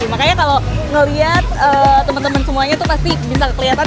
makanya kalau ngeliat temen temen semuanya tuh pasti bisa keliatan